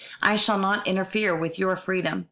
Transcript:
"I shall not interfere with your freedom.